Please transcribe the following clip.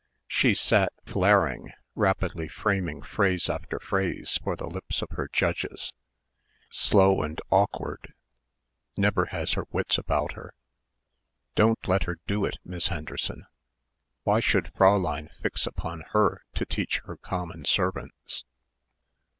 She sat, flaring, rapidly framing phrase after phrase for the lips of her judges ... "slow and awkward" ... "never has her wits about her...." "Don't let her do it, Miss Henderson...." Why should Fräulein fix upon her to teach her common servants?